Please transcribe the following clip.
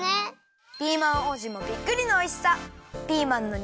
ピーマン王子もびっくりのおいしさ。